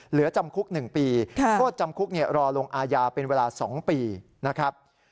เหลือจำคุก๑ปีโทษจำคุกรอลงอาญาเป็นเวลา๒ปีนะครับ